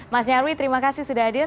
mas nyarwi terima kasih sudah hadir